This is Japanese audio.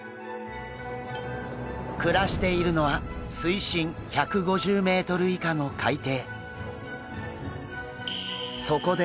暮らしているのは水深１５０ｍ以下の海底。